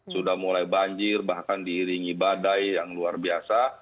sudah mulai banjir bahkan diiringi badai yang luar biasa